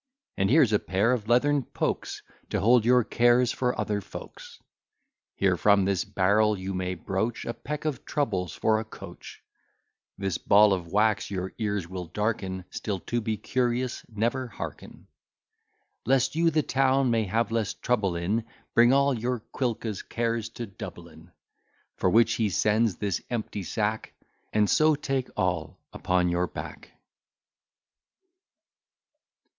And here's a pair of leathern pokes, To hold your cares for other folks. Here from this barrel you may broach A peck of troubles for a coach. This ball of wax your ears will darken, Still to be curious, never hearken. Lest you the town may have less trouble in Bring all your Quilca's cares to Dublin, For which he sends this empty sack; And so take all upon your back.